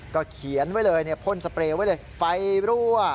ก็เขียนไว้เลยพ่นสเปรย์ไฟรั่ว